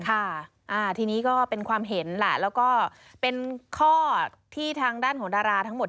ค่ะอ่าทีนี้ก็เป็นความเห็นแหละแล้วก็เป็นข้อที่ทางด้านของดาราทั้งหมด